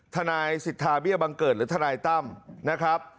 ทนายสิทธาเบี้ยบังเกิดหรือทนายตั้มนะครับ